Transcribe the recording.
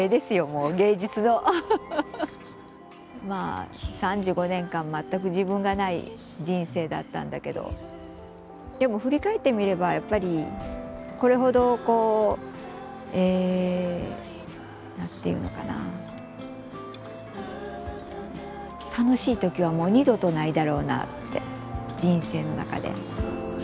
まあ３５年間全く自分がない人生だったんだけどでも振り返ってみればやっぱりこれほどこう何て言うのかな楽しい時はもう二度とないだろうなって人生の中で。